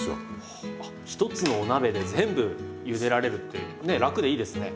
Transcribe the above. はあ一つのお鍋で全部ゆでられるってね楽でいいですね。